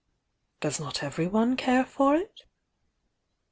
"Does not everyone care for it?"